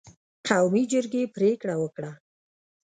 قومي جرګې پرېکړه وکړه